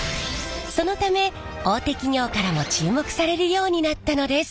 そのため大手企業からも注目されるようになったのです。